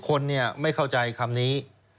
คนไม่เข้าใจคำนี้